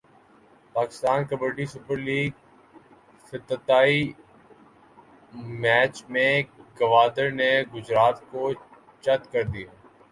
Pakistan kabaddi super لیگافتتاحی match میں گوادر نے گجرات کو چت کردیا